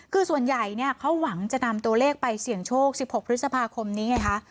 คือส่วนใหญ่เนี่ยเขาหวังจะนำตัวเลขไปเสี่ยงโชค๑๖พฤษภาคมนี้ไงคะ